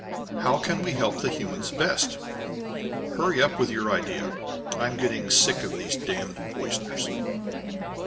How can we help the humans best? Hurry up with your idea; I'm getting sick of these damned poisoners."